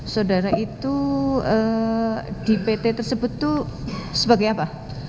saudara itu di pt tersebut itu sebagai apa